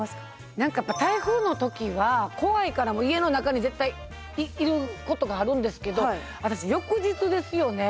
何かやっぱ台風の時は怖いから家の中に絶対いることがあるんですけど私翌日ですよね。